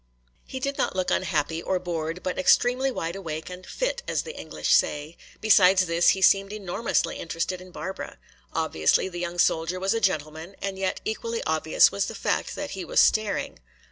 He did not look unhappy or bored, but extremely wide awake and "fit," as the English say. Besides this, he seemed enormously interested in Barbara. Obviously the young soldier was a gentleman, and yet equally obvious was the fact that he was staring.